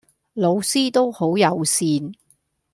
老師都好友善⠀